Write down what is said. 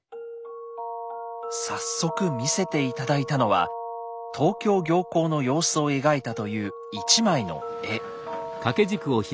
早速見せて頂いたのは東京行幸の様子を描いたという一枚の絵。